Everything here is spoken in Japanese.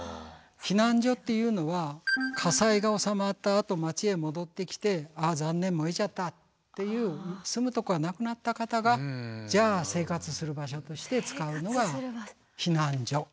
避難所っていうのは火災がおさまったあと街へ戻ってきてああ残念燃えちゃったっていう住むとこがなくなった方がじゃあ生活する場所として使うのが避難所。